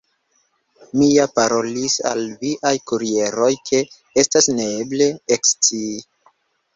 Mi ja parolis al viaj kurieroj, ke estas neeble ekscii.